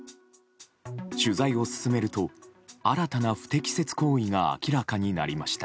取材を進めると新たな不適切行為が明らかになりました。